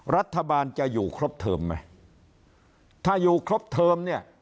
รัฐบาลจะอยู่ครบเทิมไหมถ้าอยู่ครบเทอมเนี่ย